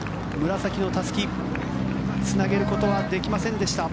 紫のたすき、つなげることはできませんでした。